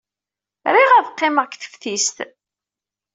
Riɣ ad qqimeɣ deg teftist.